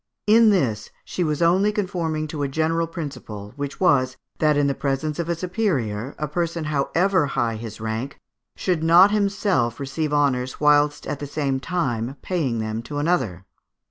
In this she was only conforming to a general principle, which was, that in the presence of a superior, a person, however high his rank, should not himself receive honours whilst at the same time paying them to another.